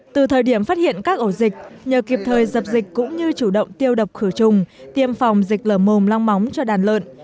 từ thời điểm phát hiện các ổ dịch nhờ kịp thời dập dịch cũng như chủ động tiêu độc khử trùng tiêm phòng dịch lở mồm long móng cho đàn lợn